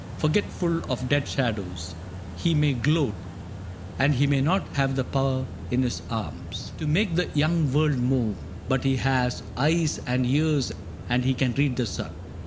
Forgetful of dead shadows. He may gloat, And he may not have power in his arms 20 CAPTAIN CRAIG To make the young world move ; but he has eyes And ears, and he can read the sun.